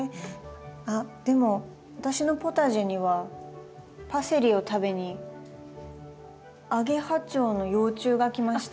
あっでも私のポタジェにはパセリを食べにアゲハチョウの幼虫が来ました。